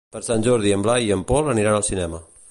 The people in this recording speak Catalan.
Per Sant Jordi en Blai i en Pol aniran al cinema.